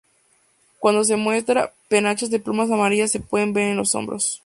Cuando se muestra, penachos de plumas amarillas se pueden ver en los hombros.